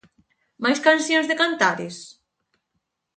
Máis cancións de Cantares?